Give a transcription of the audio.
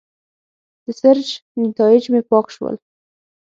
د سرچ نیتایج مې پاک شول.